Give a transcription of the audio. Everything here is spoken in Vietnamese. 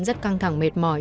rất căng thẳng mệt mỏi